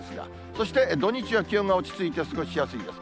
そして、土日は気温が落ち着いて、過ごしやすいです。